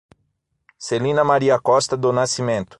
Celina Maria Costa do Nascimento